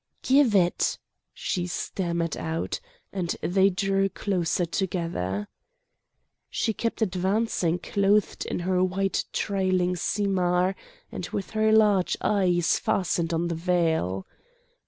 "Give it!" she stammered out, and they drew closer together. She kept advancing, clothed in her white trailing simar, and with her large eyes fastened on the veil.